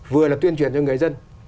vừa là tuyên truyền cho người dân